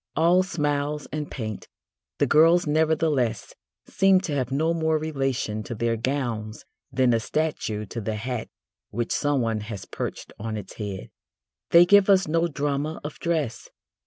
All smiles and paint, the girls nevertheless seem to have no more relation to their gowns than a statue to the hat which someone has perched on its head. They give us no drama of dress.